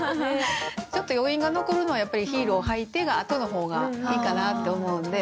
ちょっと余韻が残るのはやっぱり「ヒールをはいて」が後の方がいいかなって思うんで。